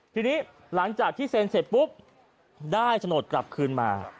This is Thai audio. ทีนี้หลังจากที่เซ็นเสร็จปุ๊บได้โฉนดกลับคืนมา